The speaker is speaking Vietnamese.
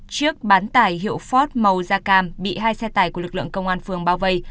chiếc bán tải hiệu fort màu da cam bị hai xe tải của lực lượng công an phường bao vây